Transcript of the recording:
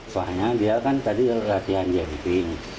soalnya dia kan tadi latihan dia di ping